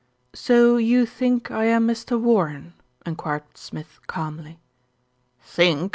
"So you think I am Mr. Warren?" enquired Smith calmly. "Think!"